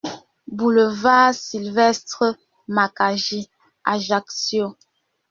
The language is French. Boulevard Sylvestre Marcaggi, Ajaccio